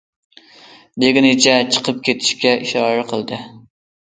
- دېگىنىچە چىقىپ كېتىشكە ئىشارە قىلدى.